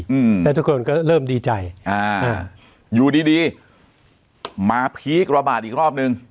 อืมแล้วทุกคนก็เริ่มดีใจอ่าอ่าอยู่ดีดีมาพีคระบาดอีกรอบหนึ่ง